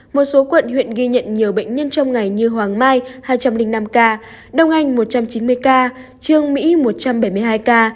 một số quận huyện ghi nhận nhiều bệnh nhân trong ngày như hoàng mai hai trăm linh năm ca đông anh một trăm chín mươi ca trương mỹ một trăm bảy mươi hai ca